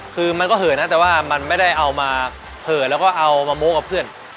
คือมันก็เหินนะแต่ว่ามันไม่ได้เอามาเผลอแล้วก็เอามาโม้กับเพื่อน